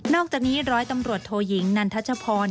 อกจากนี้ร้อยตำรวจโทยิงนันทัชพร